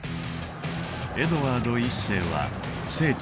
エドワード１世は聖地